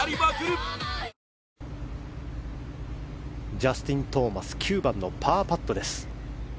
ジャスティン・トーマス９番のパーパットです。